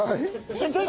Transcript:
すギョい